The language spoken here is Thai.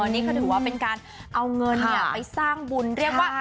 อ๋อนี่ก็ถือว่าเป็นการเอาเงินไปสร้างบุญ